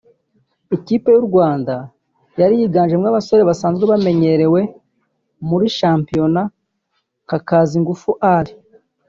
Ikipe y’u Rwanda yari yiganjemo abasore basanzwe bamenyerewe muri shampiyona nka Kazingufu Ali